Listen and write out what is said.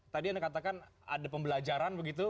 tadi anda katakan ada pembelajaran begitu